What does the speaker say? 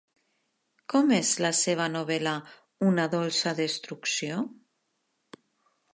Com és la seva novel·la Una dolça destrucció?